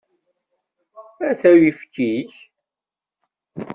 Ata uyefki-k.